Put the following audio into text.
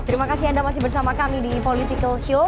terima kasih anda masih bersama kami di political show